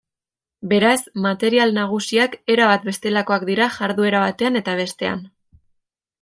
Beraz material nagusiak erabat bestelakoak dira jarduera batean eta bestean.